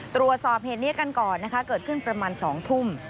ตรวจสอบเหตุนี้กันก่อนนะคะเกิดขึ้นประมาณ๒ทุ่ม